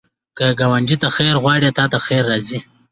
که ګاونډي ته خیر غواړې، تا ته خیر راځي